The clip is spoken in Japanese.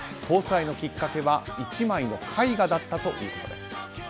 交際のきっかけは１枚の絵画だったということです。